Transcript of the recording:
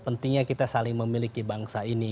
pentingnya kita saling memiliki bangsa ini